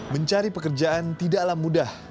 mencari pekerjaan tidaklah mudah